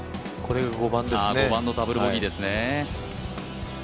５番のダブルボギーですね。